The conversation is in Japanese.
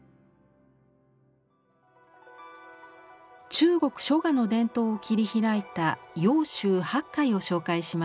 中国書画の伝統を切り開いた揚州八怪を紹介します。